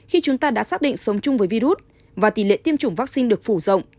khi chúng ta đã xác định sống chung với virus và tỷ lệ tiêm chủng vaccine được phủ rộng